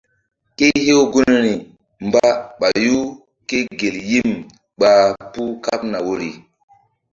Ku hew gunri mba ɓayu kégel yim ɓa puh kaɓna woyri.